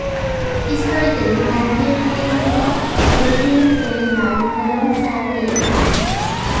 Historically, Albion lay on the Clayfield tram line, along Sandgate Road.